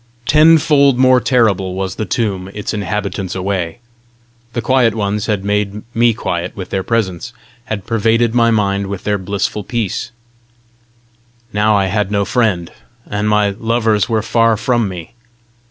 Tenfold more terrible was the tomb its inhabitants away! The quiet ones had made me quiet with their presence had pervaded my mind with their blissful peace; now I had no friend, and my lovers were far from me!